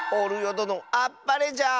どのあっぱれじゃ！